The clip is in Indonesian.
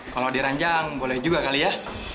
kalau diranjang boleh juga kali ya